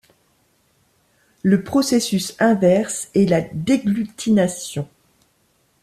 Le processus inverse est la déglutination.